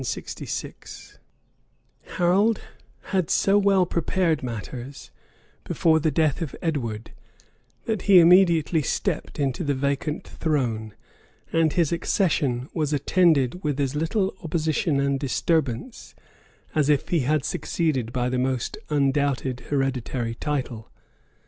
} Harold had so well prepared matters before the death of Edward, that he immediately stepped into the vacant throne; and his accession was attended with as little opposition and disturbance, as if he had succeeded by the most undoubted hereditary title.